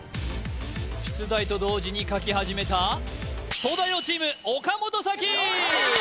出題と同時に書き始めた東大王チーム岡本沙紀